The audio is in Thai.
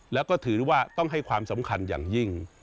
แล้วก็ถือว่าต้องให้ความสำคัญอย่างยิ่ง